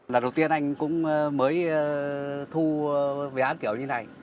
lần đầu tiên anh cũng mới thu vé án kiểu như này